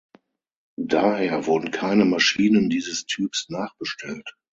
Daher wurden keine Maschinen dieses Typs nachbestellt.